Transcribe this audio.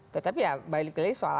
tetapi ya balik lagi soal